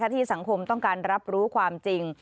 ที่สังคมต้องการรับรู้ความจริง